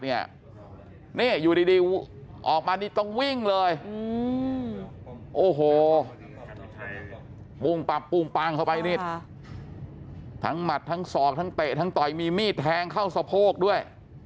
นี่อยู่ดีออกมานี่ต้องวิ่งเลยโอ้โหปุ้งปับปุ้งปังเข้าไปนี่ทั้งหมัดทั้งศอกทั้งเตะทั้งต่อยมีมีดแทงเข้าสะโพกด้วย